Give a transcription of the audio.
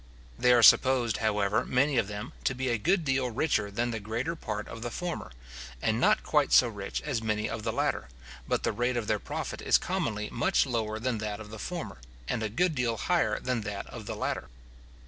They are supposed, however, many of them, to be a good deal richer than the greater part of the former, and not quire so rich as many of the latter: but the rate of their profit is commonly much lower than that of the former, and a good deal higher than that of the latter.